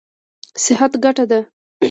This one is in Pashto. صحت ګټه ده.